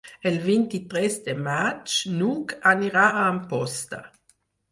El vint-i-tres de maig n'Hug anirà a Amposta.